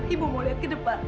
ibu ingin melihat ke depan